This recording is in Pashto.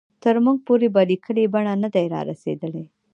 تر موږ پورې په لیکلې بڼه نه دي را رسېدلي.